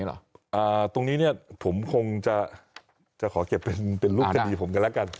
นี้หรออ่าตรงนี้เนี้ยผมคงจะจะขอเก็บเป็นเป็นรูปกระดิ่งผมกันแล้วกัน